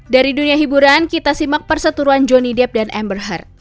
dari dunia hiburan kita simak persatuan johnny depp dan amber heard